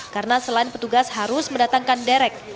karena selain petugas harus mendatangkan derek